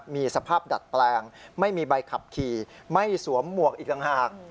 มีสภาพดัดแปลงไม่มีใบขับขี่ไม่สวมหมวกอีกต่างหาก